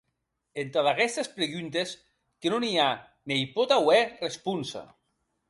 Entad aguestes preguntes que non i a ne i pot auer responsa.